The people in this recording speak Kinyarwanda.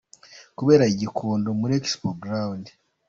kubera i Gikondo muri Expo Ground.